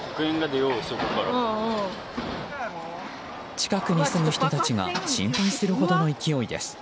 近くに住む人たちが心配するほどの勢いです。